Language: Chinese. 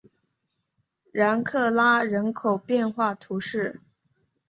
然克拉人口变化图示